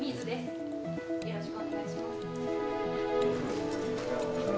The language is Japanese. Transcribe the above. よろしくお願いします。